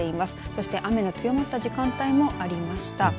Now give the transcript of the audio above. そして雨の強まった時間帯もありました。